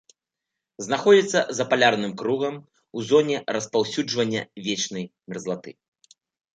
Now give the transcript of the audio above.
Знаходзіцца за палярным кругам, у зоне распаўсюджвання вечнай мерзлаты.